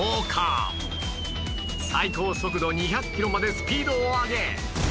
最高速度２００キロまでスピードを上げ